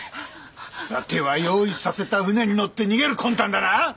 さては用意させた船に乗って逃げる魂胆だな！